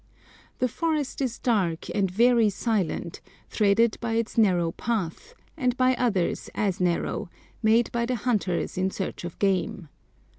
The forest is dark and very silent, threaded by this narrow path, and by others as narrow, made by the hunters in search of game.